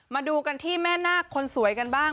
มาดูกันที่แม่นาคคนสวยกันบ้าง